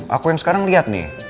aku yang sekarang lihat nih